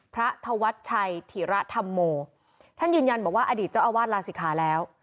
พระธวัชชัยธิระธรรมโมท่านยืนยันบอกว่าอดีตเจ้าอาวาสลาศิกขาแล้ว